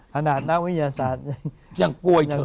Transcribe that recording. หน้านาววิญญาณศาสตร์ยังกล้วยเถอะ